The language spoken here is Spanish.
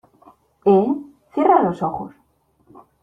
¿ eh? cierra los ojos.